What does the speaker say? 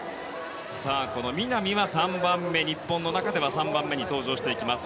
南は日本の中では３番目に登場していきます。